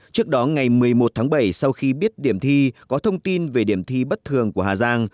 trước đó ngày một mươi một tháng bảy sau khi biết điểm thi có thông tin về điểm thi bất thường của hà giang